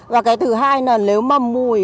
và cái thứ hai là nếu mà mùi